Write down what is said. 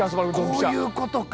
こういうことか。